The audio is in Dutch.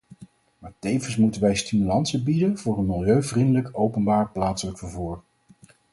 Maar tevens moeten wij stimulansen bieden voor een milieuvriendelijk, openbaar plaatselijk vervoer.